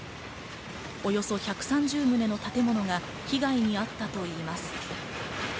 およそ１３０棟の建物が被害にあったといいます。